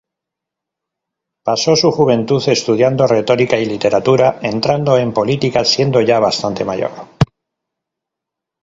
Pasó su juventud estudiando retórica y literatura, entrando en política siendo ya bastante mayor.